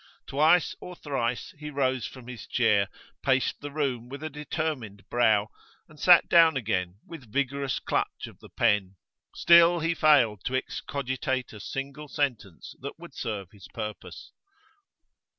Twice or thrice he rose from his chair, paced the room with a determined brow, and sat down again with vigorous clutch of the pen; still he failed to excogitate a single sentence that would serve his purpose.